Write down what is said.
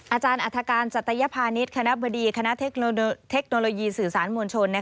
อาจารย์อัฐการจัตยพาณิชย์คณะบดีคณะเทคโนโลยีสื่อสารมวลชน